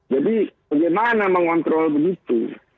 jadi bagaimana mengontrol begitu